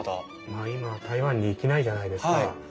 まあ今台湾に行けないじゃないですか。